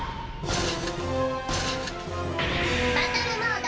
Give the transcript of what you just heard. バトルモード